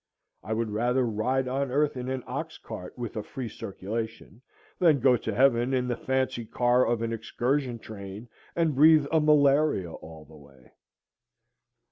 I would rather ride on earth in an ox cart with a free circulation, than go to heaven in the fancy car of an excursion train and breathe a malaria all the way.